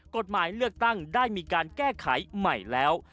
กฎหมายเลือกตั้งได้มีการแก้ไขใหม่แล้ว